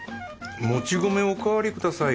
もち米おかわりください。